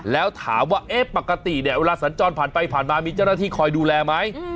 แล้วถามว่าปกติเนี่ยเวลาสัญจรผ่านไปผ่านมามีเจ้าหน้าที่คอยดูแลไหม